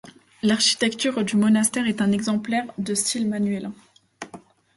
L'architecture du monastère est un exemple de style manuélin.